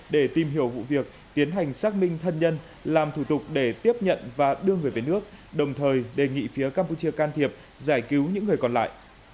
để tìm hiểu vụ việc tiến hành xác minh thân nhân làm thủ tục để tiếp nhận và đưa người về nước đồng thời đề nghị phía campuchia can thiệp giải cứu những người còn lại